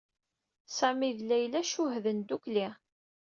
Sami d Layla cuhden ddukkli.